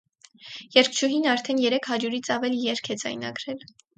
Երգչուհին արդեն երեք հարյուրից ավել երգ է ձայնագրել։